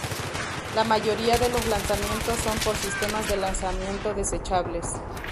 La mayoría de los lanzamientos son por sistemas de lanzamiento desechables.